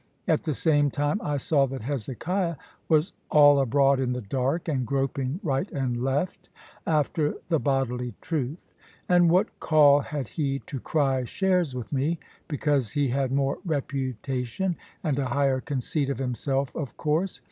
At the same time I saw that Hezekiah was all abroad in the dark, and groping right and left after the bodily truth. And what call had he to cry shares with me, because he had more reputation, and a higher conceit of himself, of course?